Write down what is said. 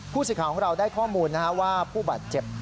สิทธิ์ของเราได้ข้อมูลว่าผู้บาดเจ็บ